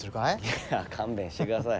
いや勘弁してください。